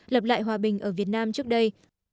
lập lại hòa bình ở việt nam trước đây